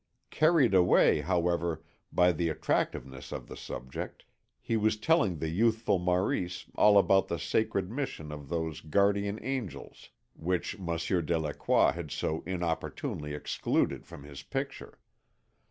Carried away, however, by the attractiveness of the subject, he was telling the youthful Maurice all about the sacred mission of those guardian angels which Monsieur Delacroix had so inopportunely excluded from his picture.